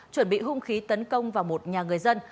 chuẩn bị hung khí tấn công vào một nhà người dân